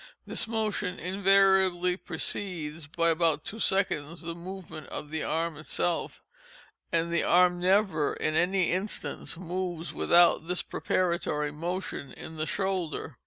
This motion invariably precedes, by about two seconds, the movement of the arm itself—and the arm never, in any instance, moves without this preparatory motion in the shoulder.